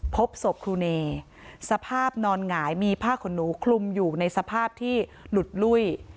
พบศพครูเนสภาพนอนหงายมีผ้าขนหนูคลุมอยู่ในสภาพที่หลุดลุ้ย